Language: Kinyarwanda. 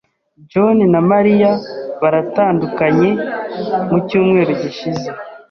John na Mariya baratandukanye mu cyumweru gishize.